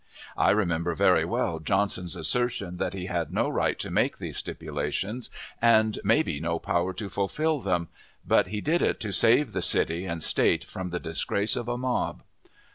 I remember very well Johnson's assertion that he had no right to make these stipulations, and maybe no power to fulfill them; but he did it to save the city and state from the disgrace of a mob.